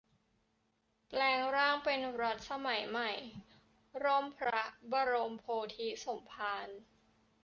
แปลงร่างเป็น รัฐสมัยใหม่ - ร่มพระบรมโพธิสมภาร